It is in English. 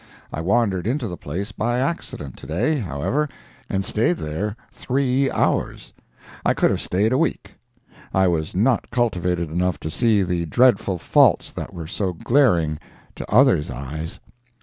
I wandered into the place by accident to day, how ever, and staid there three hours. I could have staid a week. I was not cultivated enough to see the dreadful faults that were so glaring to others' eyes.